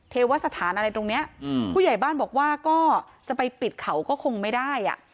เทวสถานอะไรตรงเนี้ยอืมผู้ใหญ่บ้านบอกว่าก็จะไปปิดเขาก็คงไม่ได้อ่ะ